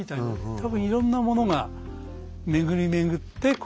多分いろんなものが巡り巡ってこう。